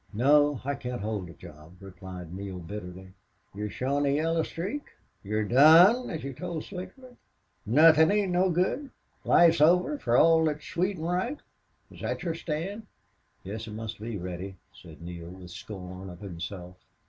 "No. I can't hold a job," replied Neale, bitterly. "You're showin' a yellow streak? You're done, as you told Slingerland? Nothin' ain't no good?... Life's over, fer all thet's sweet an' right? Is thet your stand?" "Yes, it must be, Reddy," said Neale, with scorn of himself.